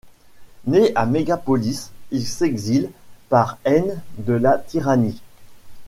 Nés à Mégalopolis, ils s'exilent par haine de la tyrannie.